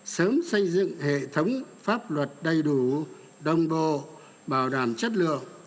sớm xây dựng hệ thống pháp luật đầy đủ đồng bộ bảo đảm chất lượng